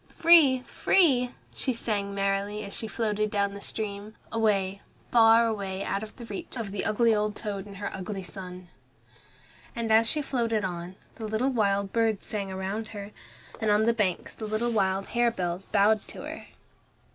"Free, free!" she sang merrily as she floated down the stream, away, far away out of reach of the ugly old toad and her ugly son. And as she floated on, the little wild birds sang round her, and on the banks the little wild harebells bowed to her.